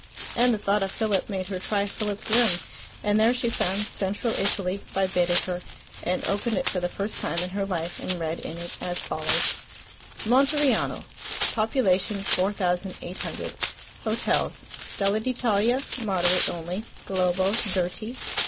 And the thought of Philip made her try Philip's room, and there she found "Central Italy," by Baedeker, and opened it for the first time in her life and read in it as follows: MONTERIANO (pop. 4800). Hotels: Stella d'Italia, moderate only; Globo, dirty.